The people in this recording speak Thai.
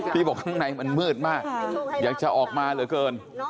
ที่บอกข้างในมันมืดมากอยากจะออกมาเหลือเกิน